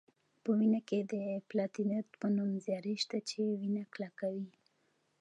په وینه کې د پلاتیلیت په نوم ذرې شته چې وینه کلکوي